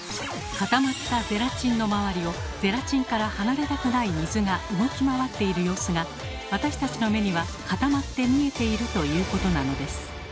固まったゼラチンの周りをゼラチンから離れたくない水が動き回っている様子が私たちの目には固まって見えているということなのです。